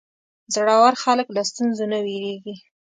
زړور خلک له ستونزو نه وېرېږي.